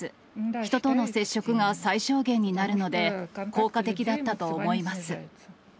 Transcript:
人との接触が最小限になるので、効果的だったと思います。